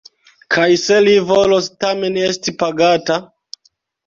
Kaj se li volos tamen esti pagata?